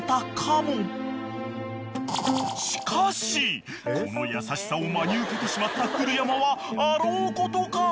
［しかしこの優しさを真に受けてしまった古山はあろうことか］